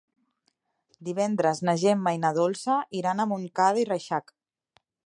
Dimecres na Gemma i na Dolça iran a Montcada i Reixac.